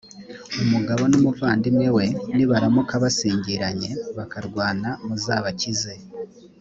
umugabo n’umuvandimwe we nibaramuka basingiranye bakarwana muzabakize.